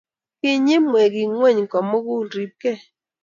kinyei mwekik ng'ony ko mugul, ribgei